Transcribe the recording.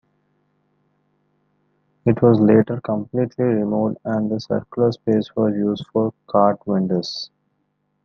It was later completely removed and the circular space was used for cart vendors.